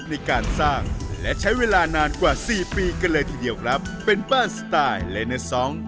ในการสร้างและใช้เวลานานกว่าสี่ปีกันเลยทีเดียวครับเป็นบ้านสไตล์เลเนอร์สอง